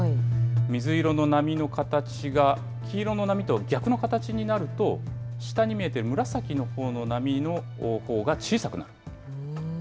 水色の波の形が黄色の波と逆の形になると、下に見えてる紫の波のほうが小さくなる。